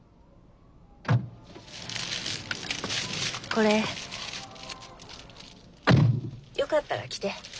これよかったら着て。